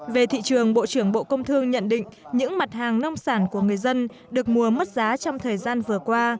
về thị trường bộ trưởng bộ công thương nhận định những mặt hàng nông sản của người dân được mua mất giá trong thời gian vừa qua